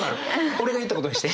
俺が言ったことにして。